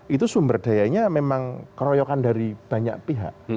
itu sumber dayanya memang keroyokan dari banyak pihak